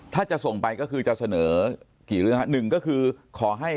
ถ้าจะส่งไปก็คือจะเสนอกี่เรื่องฮะหนึ่งก็คือขอให้